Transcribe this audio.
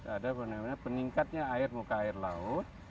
ada fenomena peningkatnya air muka air laut